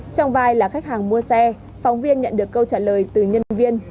trong vai là khách hàng mua xe phóng viên nhận được câu trả lời từ nhân viên